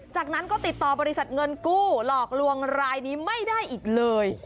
จากนั้นก็ติดต่อบริษัทเงินกู้หลอกลวงรายนี้ไม่ได้อีกเลย